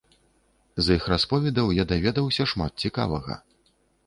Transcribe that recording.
З іх расповедаў я даведаўся шмат цікавага.